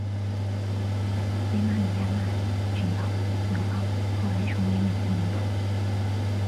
北马里亚纳群岛自由邦后来成为美国领土。